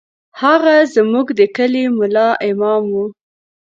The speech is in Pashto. هغه زموږ د کلي ملا امام و.